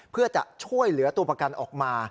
เพื่อจะช่วยเหลือตัวประกันออกมา